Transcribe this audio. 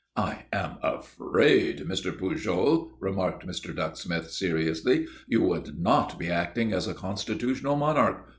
"I am afraid, Mr. Pujol," remarked Mr. Ducksmith, seriously, "you would not be acting as a constitutional monarch.